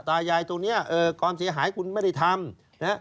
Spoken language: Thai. ตายายตรงนี้ความเสียหายคุณไม่ได้ทำนะฮะ